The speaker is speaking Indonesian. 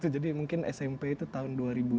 jadi mungkin smp itu tahun dua ribu tiga dua ribu empat